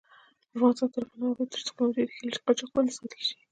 افغانستان تر هغو نه ابادیږي، ترڅو قیمتي تیږې له قاچاق وساتل نشي.